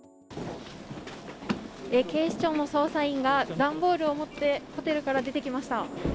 警視庁の捜査員が段ボールを持ってホテルから出てきました。